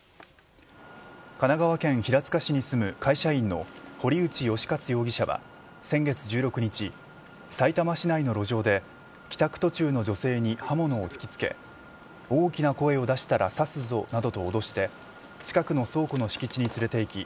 神奈川県平塚市に住む会社員の堀内嘉勝容疑者は先月１６日さいたま市内の路上で帰宅途中の女性に刃物を突きつけ大きな声を出したら刺すぞなどと脅して近くの倉庫の敷地に連れていき